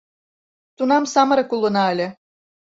Тунам самырык улына ыле.